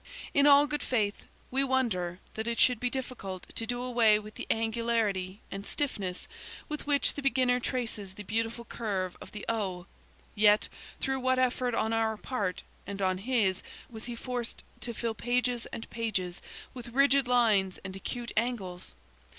In all good faith, we wonder that it should be difficult to do away with the angularity and stiffness with which the beginner traces the beautiful curve of the O. 11 Yet, through what effort on our part, and on his, was he forced to fill pages and pages with rigid lines and acute angles!